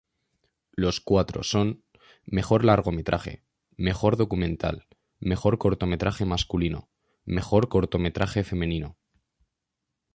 Los cuatro son Mejor largometraje, Mejor documental, Mejor cortometraje masculino, Mejor cortometraje femenino.